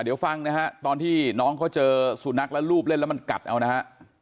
เดี๋ยวฟังนะฮะตอนที่น้องเขาเจอสุนัขแล้วรูปเล่นแล้วมันกัดเอานะฮะ